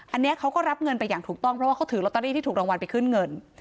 อันนี้เขาก็รับเงินไปอย่างถูกต้องเพราะว่าเขาถือลอตเตอรี่ที่ถูกรางวัลไปขึ้นเงิน